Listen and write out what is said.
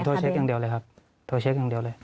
เช็คอย่างเดียวเลยครับโทรเช็คอย่างเดียวเลย